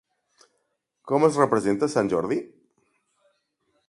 Com es representa a Sant Jordi?